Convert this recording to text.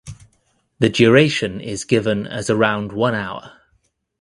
The duration is given as around one hour.